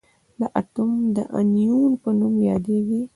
دا اتوم د انیون په نوم یادیږي.